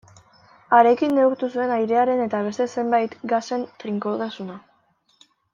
Harekin neurtu zuen airearen eta beste zenbait gasen trinkotasuna.